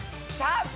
さあ